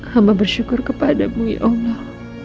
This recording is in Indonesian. hama bersyukur kepadamu ya allah